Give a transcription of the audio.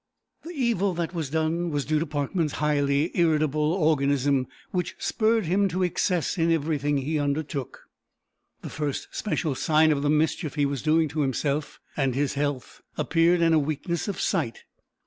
The evil that was done was due to Parkman's highly irritable organism, which spurred him to excess in everything he undertook. The first special sign of the mischief he was doing to himself and his health appeared in a weakness of sight.